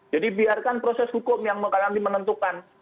jadi biarkan proses hukum yang nanti menentukan